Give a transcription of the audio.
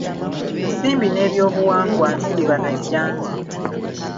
Nsimbi n’ebyobuwangwa nsiriba na jjanzi.